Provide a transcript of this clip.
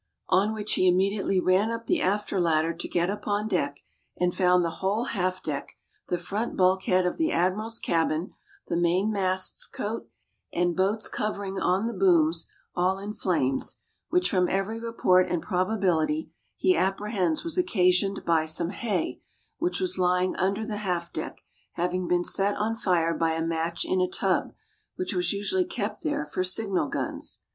On which he immediately ran up the after ladder to get upon deck, and found the whole half deck, the front bulk head of the admiral's cabin, the main mast's coat, and boat's covering on the booms, all in flames; which, from every report and probability, he apprehends was occasioned by some hay, which was lying under the half deck, having been set on fire by a match in a tub, which was usually kept there for signal guns.